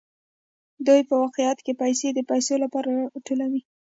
دوی په واقعیت کې پیسې د پیسو لپاره راټولوي